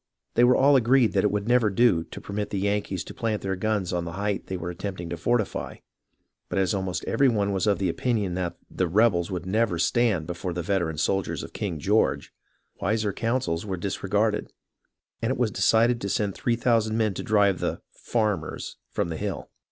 They were all agreed that it would never do to permit the Yankees to plant their guns on the height they were attempting to fortify, but as almost every one was of the opinion that the " rebels " would never stand before the veteran soldiers of King George, wiser counsels were disregarded, and it was decided to send BUNKER HILL 65 3000 men to drive the " farmers " from the hill.